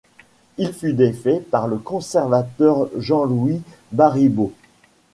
Il fut défait par le conservateur Jean-Louis Baribeau.